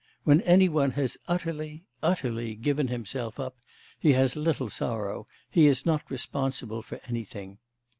When any one has utterly... utterly... given himself up, he has little sorrow, he is not responsible for anything.